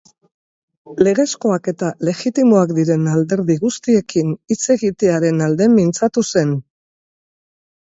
Legezkoak eta legitimoak diren alderdi guztiekin hitz egitearen alde mintzatu zen.